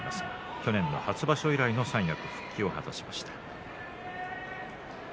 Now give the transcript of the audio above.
去年の初場所以来の三役復帰を果たしました。